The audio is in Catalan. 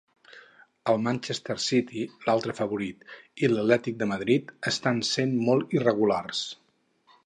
El Manchester City, l'altre favorit, i l'Atlètic de Madrid, estan sent molt irregulars.